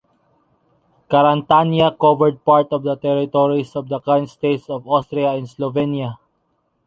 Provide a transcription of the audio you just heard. Carantania covered part of the territories of the current states of Austria and Slovenia.